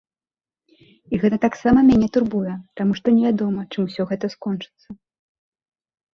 І гэта таксама мяне турбуе, таму што невядома, чым усё гэта скончыцца.